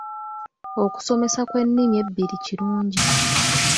Okusomesa kw'ennimi ebbiri kirungi.